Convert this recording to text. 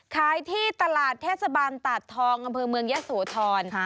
ขายที่ตลาดเทศบาลตาธองกเมืองแยะโสธร